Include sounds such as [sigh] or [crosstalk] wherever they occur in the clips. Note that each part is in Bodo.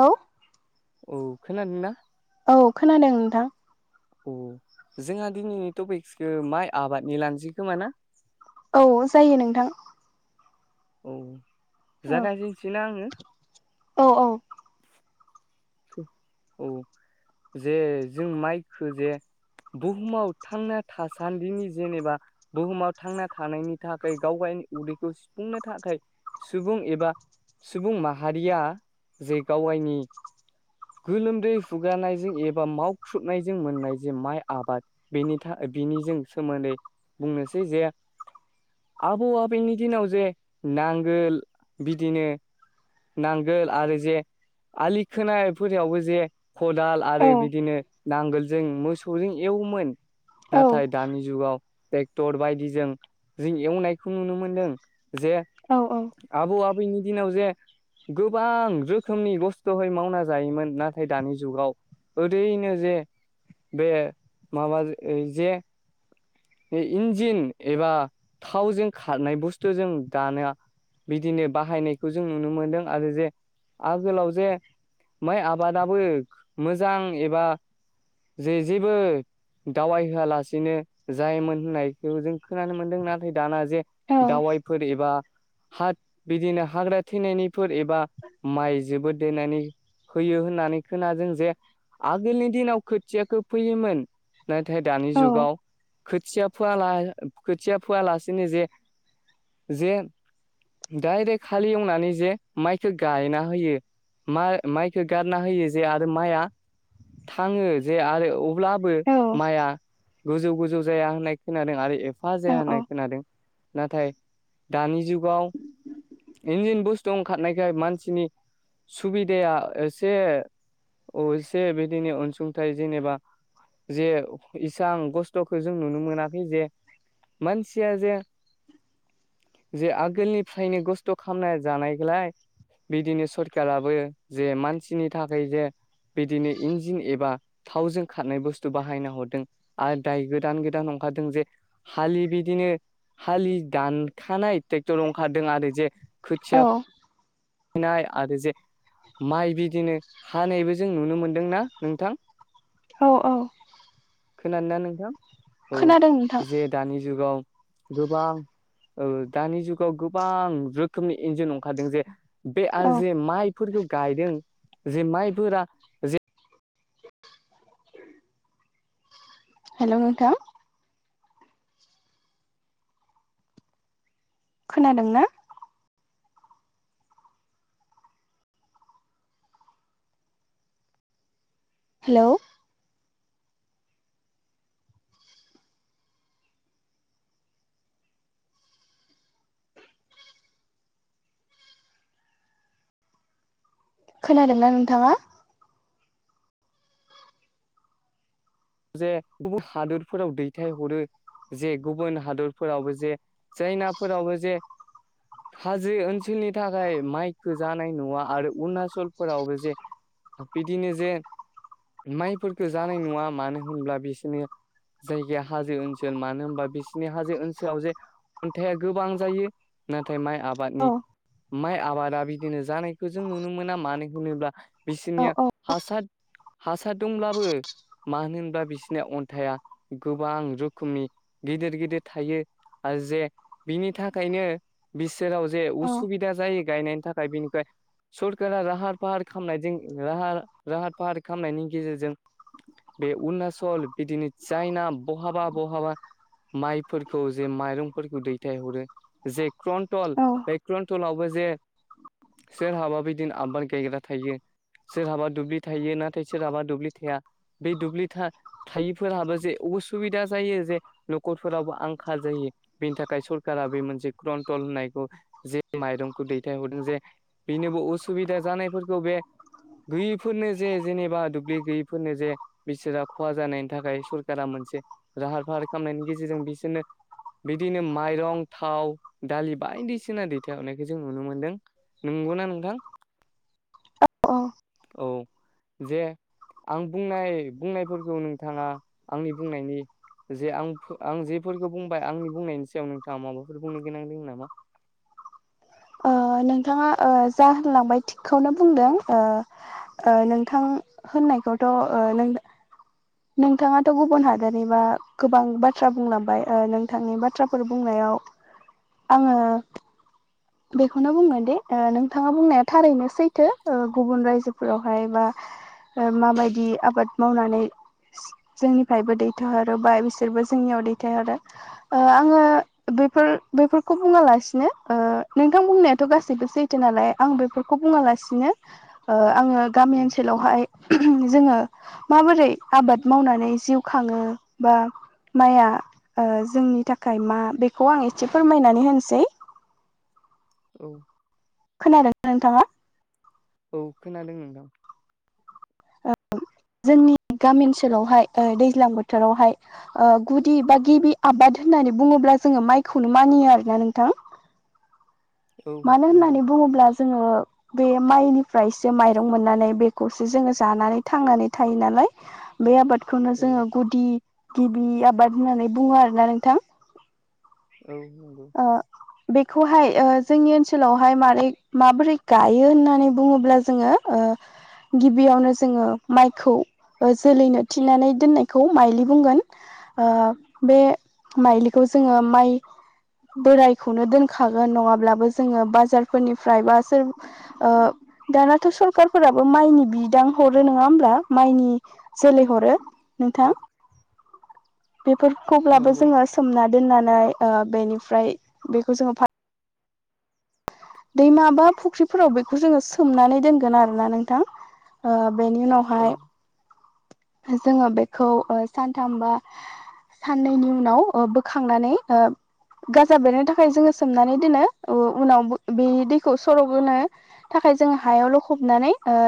औ औ खोनादों ना औ खोनादों नोंथां अ जोंहा दिनैनि टपिक्सखौ माइ आबादनि लानोसै खोमा ना औ जायो नोंथां औ औ जागायजेननोसै ना आङो औ औ औ जे जों माइखो जे बुहुमाव थांना थासान्दिनि जेनेबा बुहुमाव थांना थानायनि थाखाय गाव गायनि उदैखौ सुफुंनो थाखाय सुबुं एबा सुबुं माहारिया जे गाव गायनि गोलोमदै हुगानायजों एबा मावख्रुबनायजों मोननाय जे माइ आबाद बेनि थाखाय बिनिजों सोमोन्दै बुंनोसै जे आबौ आबैनि दिनाव जे नांगोल बिदिनो नांगोल आरो जे आलि खोनायफोरावबो जे खदाल औ आरो बिदिनो नांगोलजों मोसौजों एवोमोन औ नाथाय दानि जुगाव ट्रेक्टर बायदिजों जों एवनायखौ नुनो मोनदों जे औ औ आबौ आबैनि दिनाव जे गोबां रोखोमनि बस्थ'यै मावना जायोमोन नाथाय दानि जुगाव ओरैनो जे बे माबा जे बे इन्जिन एबा थावजों खारनाय बुस्थुजों दानाया बिदिनो बाहायनायखौ जों नुनो मोनदों आरो जे आगोलाव जे माइ आबादाबो मोजां एबा जे जेबो दावाय होआलासिनो जायोमोन होननायखौ जों खोनानो मोनदों नाथाय दाना जे औ दावाइफोर एबा हाद बिदिनो हाग्रा थैनायनि फोर एबा माइ जोबो देनानै होयो होननानै खोना जों जे आगोलनि दिनाव खोथियाखौ फैयोमोन नाथाय दानि जुगाव खोथिया फोला खोथिया फोयालासेनो जे जे दडाइरेक्ट खालि एवनानै जे माइखो गायना होयो मा माइखो गारना होयो जे आरो माइआ थाङो जे आरो अब्लाबो औ माइआ गोजौ गोजौ जाया होननाय खोनादों आरो ए फा जाया होननाय खोनादों नाथाय दानि जुगाव इन्जिन बुस्थु दं खानायखाय मानसिनि सुबिदाया एसे एसे बिदिनो अनसुंथाइ जेनेबा जे इसां खस्थ'खौ जों नुनो मोनाखै जे मानसिया जे जे आगोलनिफ्रायनो खस्थ' खालामना जानाय बेखोलाइ बिदिनो सरखाराबो जे मानसिनि थाखाय जे बिदिनो इन्जिन एबा थावजों खारनाय बुस्थु बाहायना हरदों आरो दाय गोदान गोदान ओंखारदों जे हालि बिदिनो हालि दानखानाय ट्रेक्टर ओंखारदों आरो जे औ खोथियानाय आरो जे माइ बिदिनो हानायबो जों नुनो मोनदोंना नोंथां औ औ खोनादोना नोंथां औ खोनादों नोंथां जे दानि जुगाव गोबां दानि जुगाव गोबां रोखोमनि इन्जिन जे बे आरो औ जे माइफोरखौ गायदों जे माइफोरा हेल' नोंथां खोनादों ना हेल' खोनादोंना नोंथाङा जे गुबुन हादोरफोराव दैथायहरो जे गुबुन हादरफोरावबो जे जाइनाफोरावबो जे हाजो ओनसोलनि थाखाय माइखो जानाय नुवा आरो अरुणाचलफोरावबो जे बिदिनो जे माइफोरफोरखौ जानाय नङा मानो होनब्ला बिसोरनो जायगाया हाजो ओनसोल मानो होनबा बिसिनि हाजो ओनसोलाव जे खन्थाइा गोबां जायो नाथाय माइ औ आबादनि माइ आबादा बिदिनो जानायखौ जों नुनो मोना मानो होनोब्ला औ बिसोरनिया हासाद हासाद दंब्लाबो मानो होन बा बिसोरनि अन्थाइा गोबां रोखोमनि गिदिर गिदिर थायो आरो जे बिनि थाखायनो बिसोराव जे औ उसुबिदा जायो गायनायनि थाखाय बिनिफ्राय सरकारा राहार फाहार खालामनायजों राहार राहार फाहार खालामनायनि गेजेरजों बे अरुणचल बिदिनो चाइना बहाबा बहाबा माइफोरखौ जे माइरंफोरखौ दैथायहरो जे क्रनटल औ बे क्रनटलावबो जे सोर हाबा बिदिनो आबाद गायग्रा थायो सोरहाबा दुब्लि थायो नाथाय सोरहाबा दुब्लि थाया बे दुब्लिा था थायैफोरहाबो जे असुबिदा जायो जे न'खरफोरावबो आंखाल जायो बेनि थाखाय सरखारा बे मोनसे क्रनटल होननायखौ जे माइरंखौ दैथायहरदों जे बेनोबो उसुबिदा जानायफोरखौ बे गैयिफोरनो जे जेनेबा दुब्लि गैयिफोरनो जे बिसोर खहा जानायनि थाखाय सरकारा मोनसे लाहार फाहार खालामनायनि गेजेरजों बिसोरनो बिदिनो माइरं थाव दालि बायदिसिना दैथायहरनायखौ जों नुनो मोनदों नंगौना नोंथां औ औ जे आं बुंनाय बुंनाय फोरखौ नोंथाङा आंनि बुंनायनि जे आं आं जेफोरखौ बुंबाय आंनि बुंनायनि सायाव नोंथाङा माबाफोर बुंनो गोनांदों नामा ओ नोंथाङा ओ जा होनलांबाय थिगखौनो बुंदों ओ ओ नोंथां होननायखौथ' ओ नों नोंथाङाथ' गुबुन हादरनिबा गोबां बाथ्रा बुंलांबाय ओ नोंथांनि बाथ्राफोर बुंनायाव आङो बेखौनो बुंगोन दे ओ नोंथाङा बुंनाया थारैनो सैथो ओ गुबुन रायजोफोरावहाय बा ओ माबायदि आबाद मावनानै जोंनिफ्रायबो दैथायहरो बा बिसोरबो जोंनियाव दैथायहरो। ओ आङो बेफोर बेफोरखौ बुङालासिनो ओ नोंथां बुंनायाथ' गासैबो सैथो नालाय आं बेफोरखौ बुङालासिनो ओ आङो गामि ओनसोलावहाय जोङो माबोरै आबाद मावनानै जिउ खाङो बा माइया ओ जोंनि थाखाय मा बेखौ आं एसे फोरमायनानै होनोसै औ खोनादोंना नोंथाङा? औ खोनादों नोंथां। जोंनि गामि ओनसोलावहाय ओ दैज्लां बोथोरावहाय ओ गुदि बा गिबि आबाद होननानै बुङोब्ला जोङो माइखौनो मानियो आरोना नोंथां? औ मानो नंगौ होननानै बुङोब्ला जोङो बे माइनिफ्रायसो माइरं मोननानै बेखौसो जोङो जानानै थांनानै थायो नालाय। बे आबादखौनो औ जोङो गुदि गिबि आबाद होननानै बुङो आरोना नोंथां? औ नोंगौ। ओ बेखौहाय ओ जोंनि ओनसोलावहाय मारै माबोरै गायो होननानै बुङोब्ला जोङो ओ गिबियावनो जोङो माइखौ ओ जोलैनो थिनानै दोननायखौ माइलि बुंगोन। ओ बे माइलिखौ जोङो माइ बोरायखौनो दोनखागोन नङाब्लाबो जोङो बाजारफोरनिफ्राय बा सोर ओ दानाथ' सरखारारफोराबो माइनि बिदां हरो नङा होमब्ला माइनि जोलैहरो नोंथां बेफोरखौब्लाबो नंगौ जोङो सोमना दोननानै ओ बेनिफ्राय बेखौ जोङो फा दैमा बा फुख्रिफोराव बेखौ जोङो सोमनानै दोनगोन आरोना नोंथां। ओ बेनि औ उनावहाय जोङो बेखौ ओ सानथाम बा साननैनि उनाव ओ बोखांनानै ओ गाजा बेरनो थाखाय जोङो सोमनानै दोनो उनाव बे दैखौ सर'बोनो थाखाय जोंङो हायाव लखबनानै ओ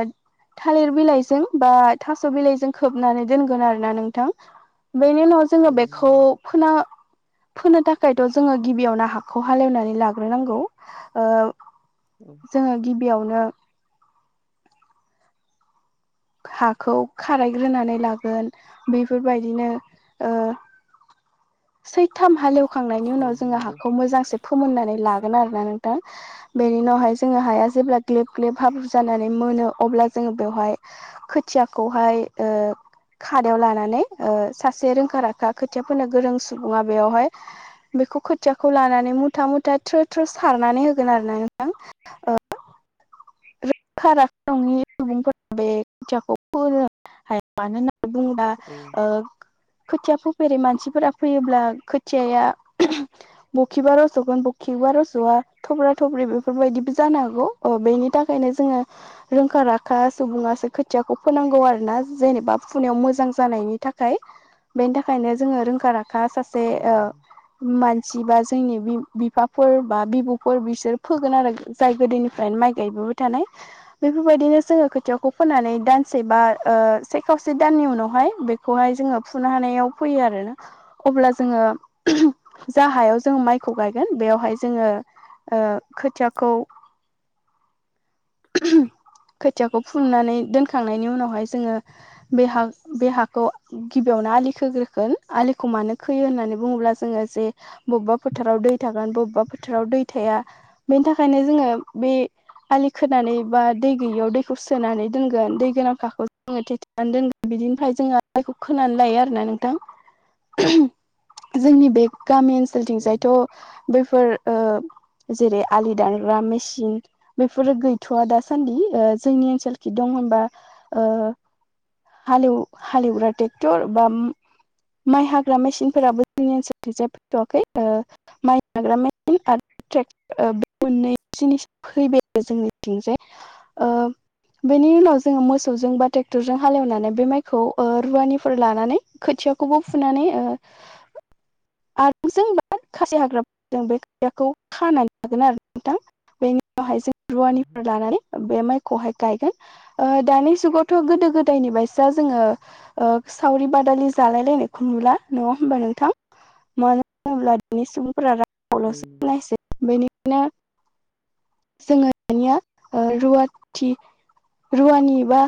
थालिर बिलाइजों बा थास' बिलाइजों खोबनानै दोनगोन आरोना नोंथां बेनि उनाव जोङो औ बेखौ नंगौ फोनो फोनो थाखायथ' जोङो गिबियावनो हाखौ हालेवनानै लाग्रोनांगौ ओ उम जोङो गिबियावनो हाखौ खारायग्रोनानै लागोन बेफोरबायदिनो [inaudible] सैथाम हालेवखांनायनि औ उनाव जोङो नंगौ हाखौ मोजांसे फोमोननानै लागोन आरो ना नोंथां? बेनि उनावहाय जोङो हाया जेब्ला ग्लेब ग्लेब हाब्रु जानानै मोनो अब्ला जोङो बेवहाय खोथियाखौहाय ओ खादायाव लानानै सासे रोंखा राखा खोथियाफोरनो गोरों सुबुङा बेवहाय बेखौ खोथियाखौ लानानै मुथा मुथा थ्रो थ्रो सारनानै होगोन आरो ना नोंथां? खार नि सुबुंफोरा बे खोथथयाखौ फोनो हाया मानोना बुंबा औ ओ खोथिया फोफेरै मानसिफोरा फैयोब्ला खोथियाया बखिबा रज'गोन बखिबा रज'वा थब्रा थब्रि बेफोरबायदिबो जानो हागौ बेनि थाखाय ओंखायनो जोङो रोंखा राखा सुबुङासो खोथियाखौ फोनांगौ आरो ना जेनेबा फुनायाव मोजां जानायनि थाखाय बेनि थाखायनो जोङो रोंखा राखा सासे औ ओ मानसि बा जोंनि बिफाफोर बा बिब'फोर बिसोर फोगोन आरो जाय गोदोनिफ्रायनो माइ गायबोबाय थानाय बेफोरबायदिनो जोङो खोथियाखौ फोननानै दानसे बा ओ से खावसे दाननि उनावहाय बे खौहाय जोङो फुनो हानायाव फैयो आरोना। अब्ला जोङो जा हायाव जों माइखौ गायगोन बेयावहाय जोङो ओ खोथियाखौ खोथियाखौ फुननानै दोनखांनायनि उनावहाय जोङो बे हा बे हाखौ गिबियावनो आलि खोग्रोगोन आलिखौ मानो खोयो होननानै बुङोब्ला जोङो जे बबेबा फोथाराव दै थागोन बबेबा फोथाराव दै थाया बेनि थाखायनो जोङो बे आलि खोनानै बा दै गैयियाव दैखौ सोनानै दोनगोन दै गोनांखाखौ जोङो थेथे ना दोनगोन बिदिनिफ्राय जोङो आलिखौ खोनानै लायो आरोना नोंथां। [unintelligible] जोंनि बे गामि ओनसो लथिंजायथ' बैफोर ओ जेरै आलि दानग्रा मेसिन बेफोरो गैथ'वा दासान्दि ओ जोंनि ओनसोलखि दं होनबा ओ हालेव हालेवग्रा ट्रेक्टर बा माइ हाग्रा मेसिनफोराबो जोंनि ओनसोलथिंजा फैथ'वाखै ओ [unintelligible] जोंनिथिं जे ओ बेनि उनाव जोङो मोसौजों बा ट्रेक्टरजों हालेवनानै बे माइखौ ओ रुवानिफोर लानानै खोथियाखौबो फुनानै ओ [inaudible] आरो जों मा खासि हाग्राफोरजों बे खोथियाखौ खानानै लागोन आरो नोंथां। बेनि उनावहाय जों रुवानिफोर लानानै बे माइखौहाय गायगोन। ओ दानि जुगावथ' गोदो गोदायनि बायसा जोङो ओ सावरि बादालि जालायलायनायखौ नुला नङा होमबा नोंथां? मानो होनोब्ला दानि सुबुंफोरा औ [unintelligible] बेनिखायनो जोङो दानिया रुवाथि रुवानि बा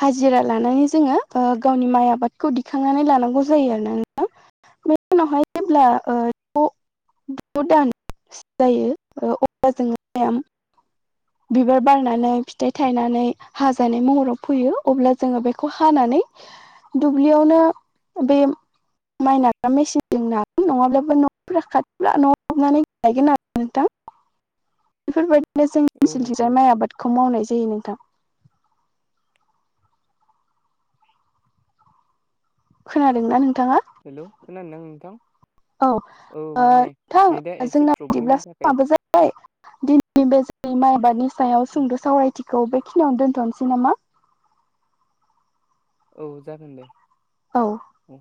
हाजिरा लानानै जोङो ओ गावनि माइ आबादखौ दिखांनानै लानांगौ जायो आरोना नोंथां। बे उनावहाय जेब्ला ओ [unintelligible] द दान जायो अब्ला जोङो [unintelligible] बिबार बारनानै फिथाइ थायनानै हाजानाय महराव फैयो अब्ला जोङो बेखौ हानानै दुब्लियावनो बे माइ नाग्रा मेसिनजों नागोन नङाब्लाबो न'फोरा खाथिब्ला न'आव लांनानै नागोन आरो नोंथां। [inaudible] बेफोरबायदिनो जोंनि औ नंगौ ओनसोलथिंजाय माइ आबादखौ मावनाय जायो नोंथां। खोनादों ना नोंथाङा? हेलौ खोनदों नोंथां। औ ओ औ माने नेटआ नोंथां एसे जोंना बिदिब्ला प्रब्लेमनि थाखाय समाबो जा बाय दिनैनि बे जों माय आबादनि सायाव सुंद' सावरायथिखौ बेखिनियावनो दोनथ'नोसै नामा? औ जागोन दे। औ। औ